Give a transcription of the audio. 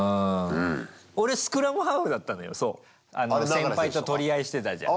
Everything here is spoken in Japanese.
先輩と取り合いしてたじゃん。